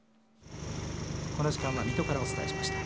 この時間は水戸からお伝えしました。